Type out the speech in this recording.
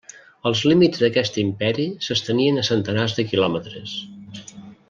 Els límits d'aquest imperi s'estenien a centenars de quilòmetres.